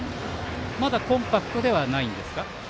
まだコンパクトではないんですか。